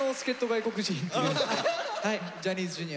ジャニーズＪｒ．の。